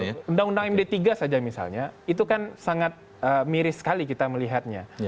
betul undang undang md tiga saja misalnya itu kan sangat miris sekali kita melihatnya